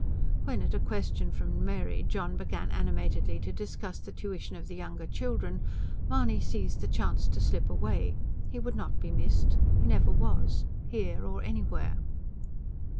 When at a question from Mary John began animatedly to discuss the tuition of the younger children, Mahony seized the chance to slip away. He would not be missed. He never was here or anywhere.